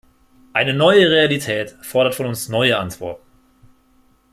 Eine neue Realität fordert von uns neue Antworten.